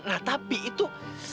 nah tapi itu